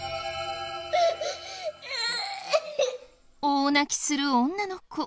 大泣きする女の子。